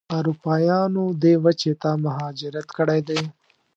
اروپایانو دې وچې ته مهاجرت کړی دی.